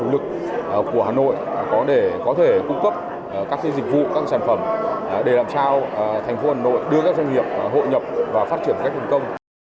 hà nội đã thúc đẩy các doanh nghiệp hà nội có thể cung cấp các sản phẩm đặc biệt các sản phẩm chủ lực của hà nội để làm sao tạo thành phố hà nội đưa các doanh nghiệp hội nhập và phát triển cách nguồn công